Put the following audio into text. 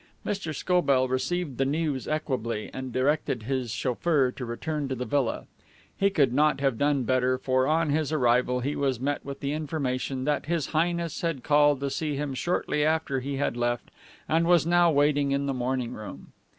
Mr. Scobell received the news equably, and directed his chauffeur to return to the villa. He could not have done better, for, on his arrival, he was met with the information that His Highness had called to see him shortly after he had left, and was now waiting in the morning room.